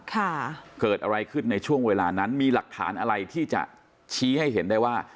ค่ะเกิดอะไรขึ้นในช่วงเวลานั้นมีหลักฐานอะไรที่จะชี้ให้เห็นได้ว่า